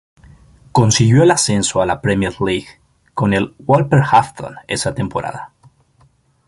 Consiguió el ascenso a la Premier League con el Wolverhampton esa temporada.